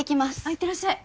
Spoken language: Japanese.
いってらっしゃい。